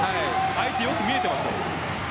相手をよく見えています。